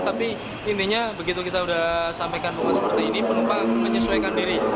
tapi intinya begitu kita sudah sampaikan pengumuman seperti ini penumpang menyesuaikan diri